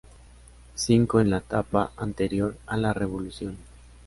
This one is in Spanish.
Cinco en la etapa anterior a la revolución.